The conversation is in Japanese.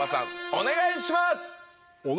お願いします！